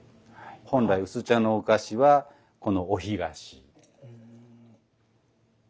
本来薄茶のお菓子はこのお干菓子。